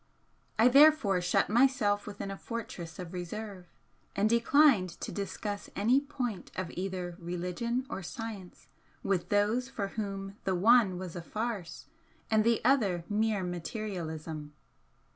I therefore shut myself within a fortress of reserve, and declined to discuss any point of either religion or science with those for whom the one was a farce and the other mere materialism.